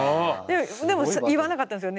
でも言わなかったんですよね